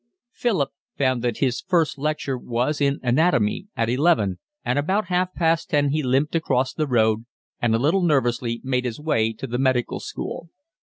Philip found that his first lecture was in anatomy, at eleven, and about half past ten he limped across the road, and a little nervously made his way to the Medical School.